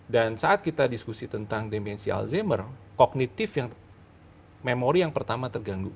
dan saat kita diskusi tentang demensi alzheimer kognitif memori yang pertama terganggu